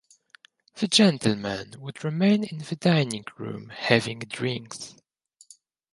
The gentlemen would remain in the dining room having drinks.